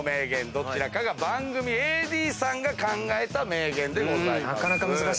どちらかが番組ＡＤさんが考えた名言でございます。